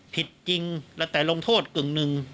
ผิดจริงแล้วแต่ลงโทษกึ่งหนึ่ง